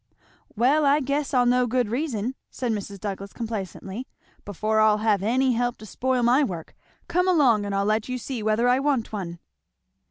"Well I guess I'll know good reason," said Mrs. Douglass complacently, "before I'll have any help to spoil my work. Come along, and I'll let you see whether I want one."